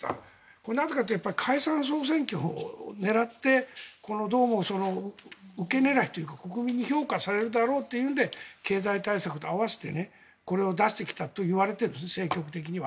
これはなぜかというと解散・総選挙を狙ってどうも受け狙いというか国民に評価されるだろうというので経済対策と併せてこれを出してきたといわれているんです政局的には。